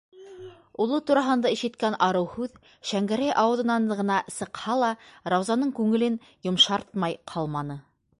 - Улы тураһында ишеткән арыу һүҙ, Шәңгәрәй ауыҙынан ғына сыҡһа ла, Раузаның күңелен йомшартмай ҡалманы.